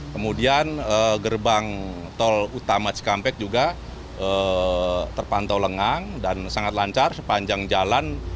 kemudian gerbang tol utama cikampek juga terpantau lengang dan sangat lancar sepanjang jalan